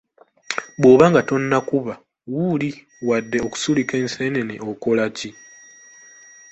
Bw'oba nga tonnakuba “wuuli” wadde okusulika enseenene okola ki?